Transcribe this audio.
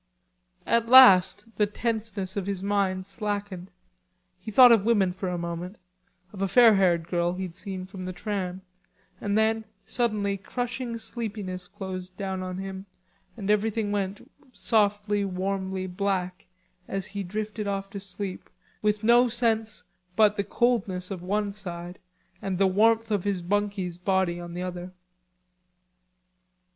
At last the tenseness of his mind slackened; he thought of women for a moment, of a fair haired girl he'd seen from the train, and then suddenly crushing sleepiness closed down on him and everything went softly warmly black, as he drifted off to sleep with no sense but the coldness of one side and the warmth of his bunkie's body on the other.